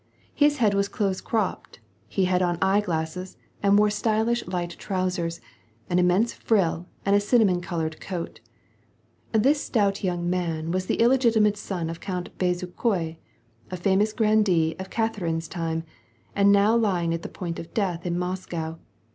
His head was close cropped, he had on eyeglasses, and wore stylish light trousers, an immense frill, and a cinnamon colored coat. This stout young man was the illegitimate son of Count Bezukhoi, a famous grandee of Catherine's time, and now lying at the point of death in Mos^ cow.